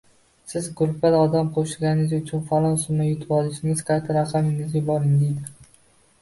«Siz gruppaga odam qo‘shganingiz uchun falon summa yutib oldingiz, karta raqamingizni yuboring» deydi.